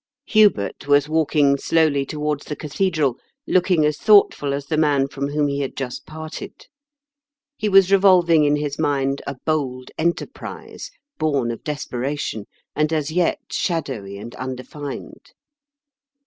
Hubert was walking slowly towards the cathedral, looking as thoughtful as the man from whom he had just parted. He was revolving in his mind a bold enterprise, bom of desperation, and as yet shadowy and unde fined.